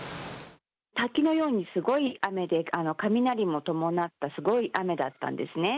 滝のようにすごい雨で、雷も伴ったすごい雨だったんですね。